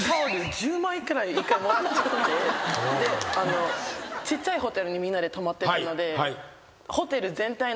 １回もらっちゃってちっちゃいホテルにみんなで泊まってたので。